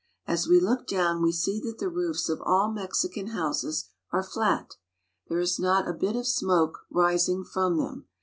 As we look down, we see that the roofs of all Mexican houses are flat. There is not a bit of smoke rising from them.